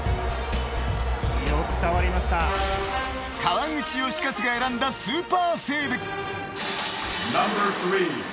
［川口能活が選んだスーパーセーブ］